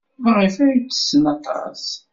Maɣef ay ttessen aṭas?